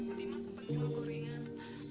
fatimah sempat jual gorengan